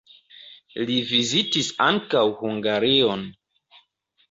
Li vizitis ankaŭ Hungarion.